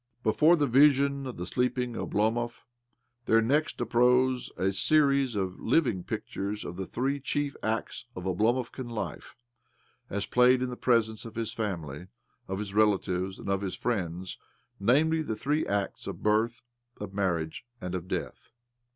Before the vision of the sleeping Oblomov there next uprose a series of living pictures of the three chief acts of Oblomovkan life, as played in the presence of his family, of his relatives, and of his friends— namely, the three acts of birth, of marriage, and of death.